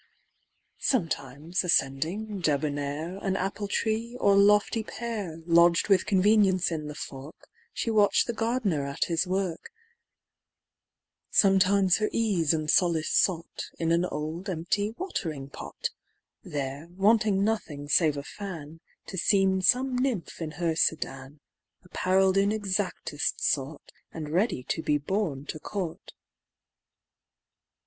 Sometimes ascending, debonnair, An apple tree, or lofty pear, Lodged with convenience in the fork, She watch'd the gardener at his work; Sometimes her ease and solace sought In an old empty watering pot: There, wanting nothing save a fan, To seem some nymph in her sedan Apparell'd in exactest sort, And ready to be borne to court.